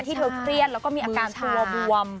ที่เธอเครียดแล้วก็มีอาการตัวบวม